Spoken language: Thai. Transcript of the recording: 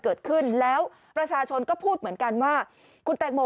เกิดขึ้นแล้วประชาชนก็พูดเหมือนกันว่าคุณแตงโม